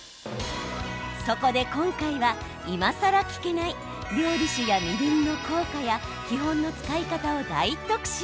そこで今回は、今さら聞けない料理酒やみりんの効果や基本の使い方を大特集。